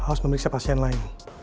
harus memeriksa pasien lain